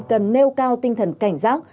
cần nêu cao tinh thần cảnh giác